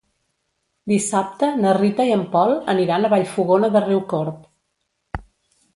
Dissabte na Rita i en Pol aniran a Vallfogona de Riucorb.